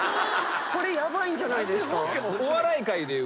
これヤバいんじゃないですか？